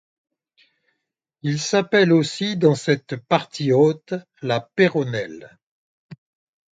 Il s'appelle aussi dans cette partie haute la Péronnelle.